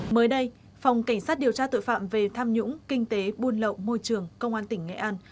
mới đây phòng cảnh sát điều tra tội phạm về tham nhũng kinh tế buôn lậu môi trường công an tỉnh nghệ an